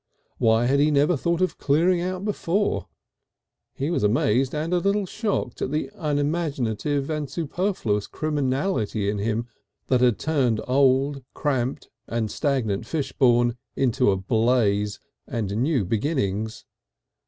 Why had he never thought of clearing out before? He was amazed and a little shocked at the unimaginative and superfluous criminality in him that had turned old cramped and stagnant Fishbourne into a blaze and new beginnings.